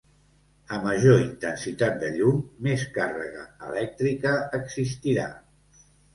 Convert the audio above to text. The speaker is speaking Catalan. A major intensitat de llum, més càrrega elèctrica existirà.